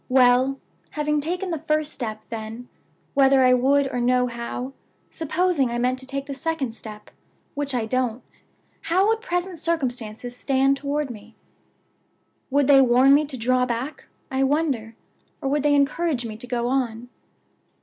Well, having taken the first step, then, whether I would or no, how supposing I meant to take the second step, which I don't how would present circumstances stand toward me? Would they warn me to draw back, I wonder? or would they encourage me to go on?